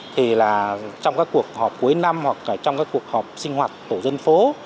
thì là trong các cuộc họp cuối năm hoặc trong các cuộc họp sinh hoạt tổ dân phố